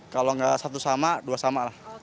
kalau nggak satu sama dua sama lah